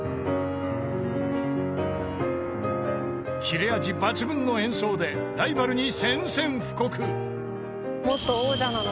［切れ味抜群の演奏でライバルに］